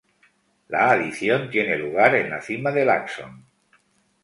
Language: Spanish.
La adición tiene lugar en la cima del axón.